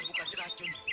bener jadi kaget